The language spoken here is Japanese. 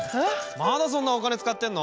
まだそんなお金使ってんの？